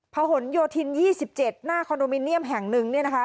หนโยธิน๒๗หน้าคอนโดมิเนียมแห่งหนึ่งเนี่ยนะคะ